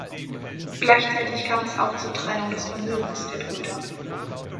Gleichzeitig kam es auch zur Trennung des Vermögens der Brüder.